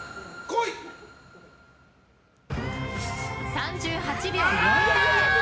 ３８秒４０。